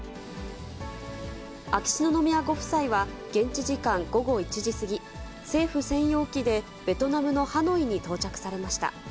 秋篠宮ご夫妻は、現地時間午後１時過ぎ、政府専用機でベトナムのハノイに到着されました。